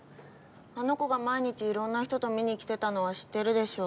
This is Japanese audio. あの子が毎日いろんな人と見に来てたのは知ってるでしょ？